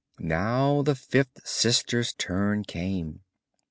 Now the fifth sister's turn came.